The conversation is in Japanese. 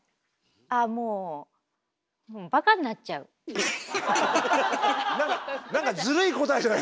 あもうなんかずるい答えじゃないですか。